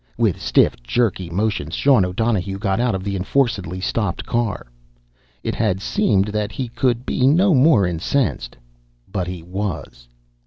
With stiff, jerky motions Sean O'Donohue got out of the enforcedly stopped car. It had seemed that he could be no more incensed, but he was.